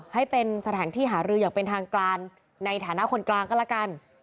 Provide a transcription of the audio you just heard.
ให้เป็นสถานที่หารืออย่างเป็นทางการในฐานะคนกลางก็แล้วกัน